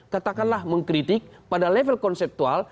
katakanlah mengkritik pada level konseptual